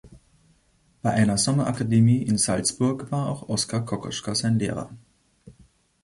Bei einer Sommerakademie in Salzburg war auch Oskar Kokoschka sein Lehrer.